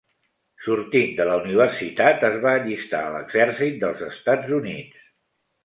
Sortint de la universitat es va allistar a l'exèrcit dels Estats Units.